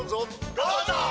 「どうぞ！」。